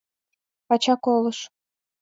Пача колыш.